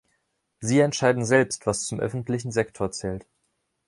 Sie entscheiden selbst, was zum öffentlichen Sektor zählt.